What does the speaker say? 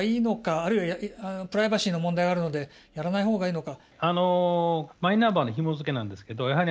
あるいはプライバシーの問題があるのでやらないほうがいいのか。